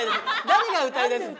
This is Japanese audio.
誰が歌い出すの？